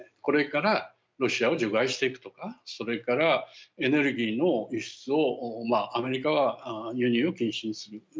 これからロシアを除外していくとかそれから、エネルギーの輸出をアメリカは輸入を禁止にする。